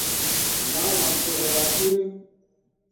Zǎŋ Wanto hɛra kíríŋ.